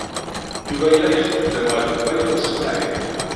Yuba yella ixeddem ɣef Baya U Smaɛil.